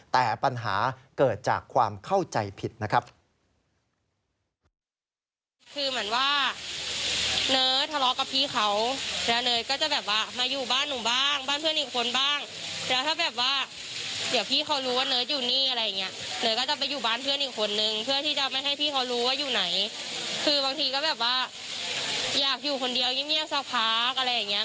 แต่ปัญหาเกิดจากความเข้าใจผิดนะครับ